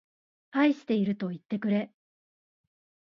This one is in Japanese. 愛しているといってくれ